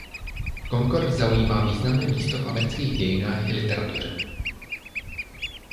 Concord zaujímá významné místo v amerických dějinách i literatuře.